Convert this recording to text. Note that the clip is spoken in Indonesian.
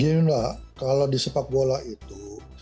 gini mbak kalau di sepak bola itu